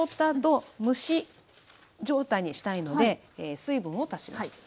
あと蒸し状態にしたいので水分を足します。